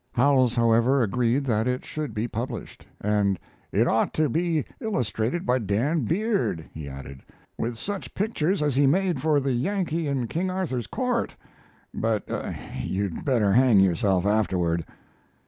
Howells, however, agreed that it should be published, and "it ought to be illustrated by Dan Beard," he added, "with such pictures as he made for the Yankee in King Arthur's Court, but you'd better hang yourself afterward."